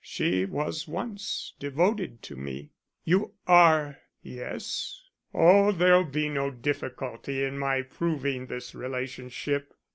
She was once devoted to me." "You are " "Yes. Oh, there'll be no difficulty in my proving this relationship.